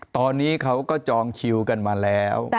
ตอนนี้เขาก็จองคิวกันมาแล้ว